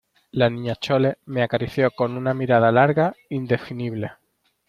la Niña Chole me acarició con una mirada larga, indefinible.